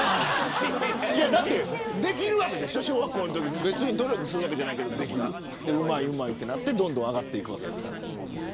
できるわけでしょ小学校のときとか努力するわけじゃないけどできるうまい、うまいってなってどんどん上がっていく。